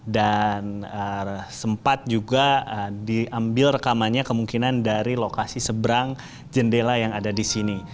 dan sempat juga diambil rekamannya kemungkinan dari lokasi seberang jendela yang ada di sini